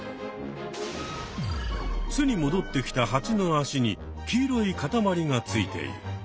巣にもどってきたハチのあしに黄色いかたまりがついている。